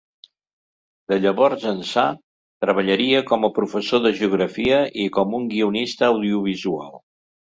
De llavors ençà treballaria com a professor de geografia i com un guionista audiovisual.